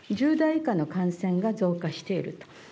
１０代以下の感染が増加していると。